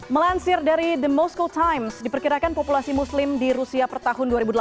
melansir dari the mostl times diperkirakan populasi muslim di rusia per tahun dua ribu delapan belas